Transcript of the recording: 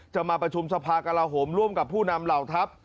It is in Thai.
มาประชุมสภากลาโหมร่วมกับผู้นำเหล่าทัพ